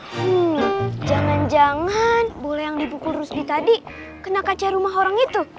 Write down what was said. hmm jangan jangan boleh yang dipukul rusdi tadi kena kaca rumah orang itu